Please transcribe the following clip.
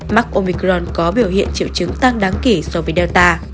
mắc omicron có biểu hiện triệu chứng tăng đáng kể so với delta